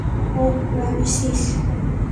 ওহ, Ramesses.